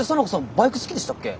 バイク好きでしたっけ？